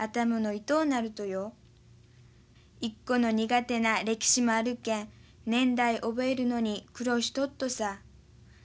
イッコの苦手な歴史もあるけん年代覚えるのに苦労しとっとさ。